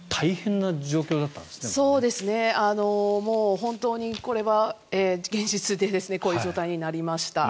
本当にこれは現実でこういう状態になりました。